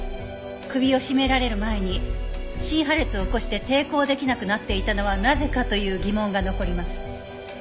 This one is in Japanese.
首を絞められる前に心破裂を起こして抵抗できなくなっていたのはなぜかという疑問が残ります。